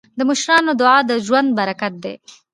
د مشرانو دعا د ژوند برکت دی.